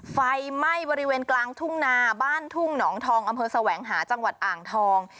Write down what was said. ไฟไหม้บริเวณกลางทุ่งนาบ้านทุ่งหนองทองอำเภอแสวงหาจังหวัดอ่างทอง